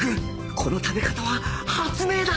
この食べ方は発明だ！